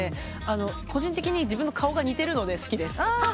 個人的に自分の顔が似てるので好きです。